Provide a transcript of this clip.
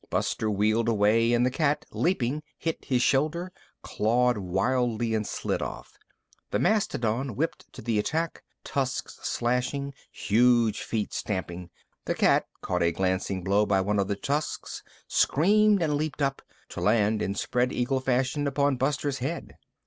Buster wheeled away and the cat, leaping, hit his shoulder, clawed wildly and slid off. The mastodon whipped to the attack, tusks slashing, huge feet stamping. The cat, caught a glancing blow by one of the tusks, screamed and leaped up, to land in spread eagle fashion upon Buster's head.